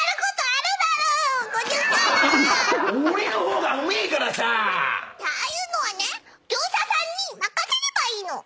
ああいうのはね業者さんに任せればいいの。